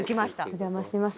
お邪魔します。